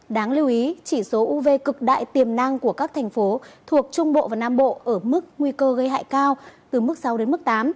đáng lưu ý chỉ số uv cực đại tiềm năng của các thành phố thuộc trung bộ và nam bộ ở mức nguy cơ gây hại cao từ mức sáu đến mức tám